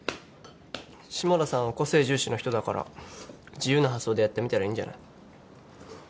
下田さんは個性重視の人だから自由な発想でやってみたらいいんじゃない？